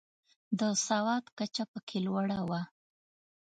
د سواد کچه پکې لوړه وه.